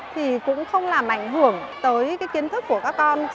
thì cũng không làm ảnh hưởng tới cái kiến thức của các con